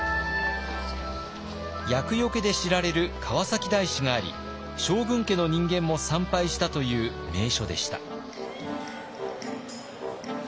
厄よけで知られる川崎大師があり将軍家の人間も参拝したという名所でした。